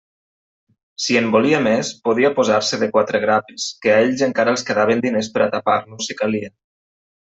Si en volia més, podia posar-se de quatre grapes, que a ells encara els quedaven diners per a tapar-lo, si calia.